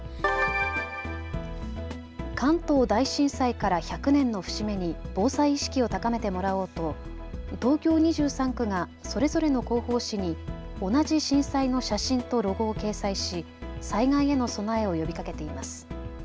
関東大震災から１００年の節目に防災意識を高めてもらおうと東京２３区がそれぞれの広報誌に同じ震災の写真とロゴを掲載し災害への備えを呼びかけています。